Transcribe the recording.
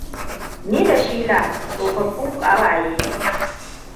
Ni da Sheila tsoffin ƙawaye ne.